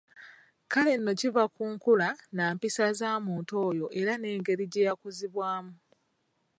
Kale nno kiva ku nkula nampisa za muntu oyo era n'engeri gye yakuzibwamu.